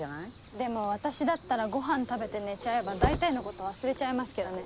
でも私だったらごはん食べて寝ちゃえば大体のこと忘れちゃいますけどね。